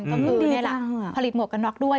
ก็คือนี่แหละผลิตหมวกกันน็อกด้วย